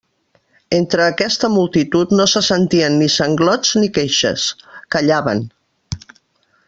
Entre aquesta multitud no se sentien ni sanglots ni queixes; callaven.